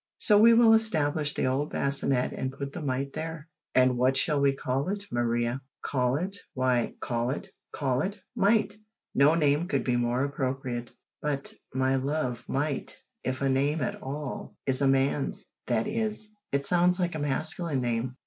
So we will establish the old bassinet and put the mite there." "And what shall we call it, Maria?" "Call it why, call it call it Mite no name could be more appropriate." "But, my love, Mite, if a name at all, is a man's that is, it sounds like a masculine name."